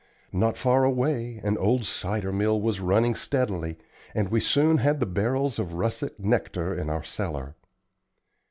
Not far away an old cider mill was running steadily, and we soon had the barrels of russet nectar in our cellar.